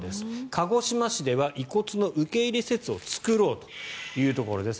鹿児島市では遺骨の受け入れ施設を作ろうというところです。